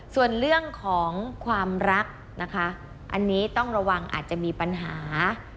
ส่วนเรื่องของความรักนะคะอันนี้ต้องระวังอาจจะมีปัญหา